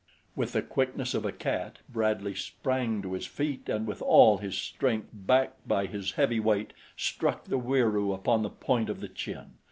With the quickness of a cat, Bradley sprang to his feet and with all his great strength, backed by his heavy weight, struck the Wieroo upon the point of the chin.